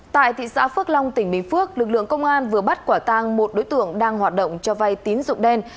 tại thị xã phước long tỉnh bình phước lực lượng công an vừa bắt quả tang một đối tượng đang hoạt động cho vay tín dụng đen